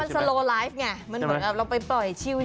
โซโลไลฟ์ไงมันเหมือนเราไปปล่อยชิล